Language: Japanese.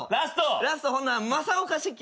ラスト正岡子規。